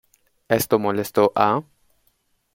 Esto molestó a?